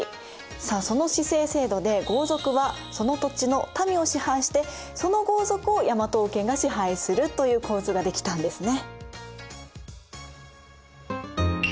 さあその氏姓制度で豪族はその土地の民を支配してその豪族を大和王権が支配するという構図が出来たんですね。